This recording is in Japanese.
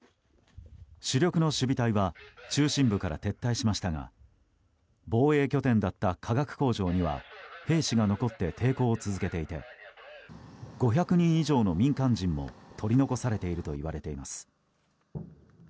主力の守備隊は中心部から撤退しましたが防衛拠点だった化学工場には兵士が残って抵抗を続けていて５００人以上の民間人も取り残されているといわれています。